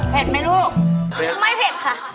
ไหมลูกไม่เผ็ดค่ะ